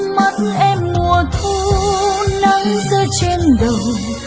mắt em mùa thu nắng rơi trên đầu